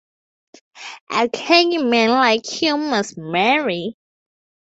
A clergyman like you must marry.